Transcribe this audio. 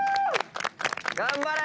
頑張れ！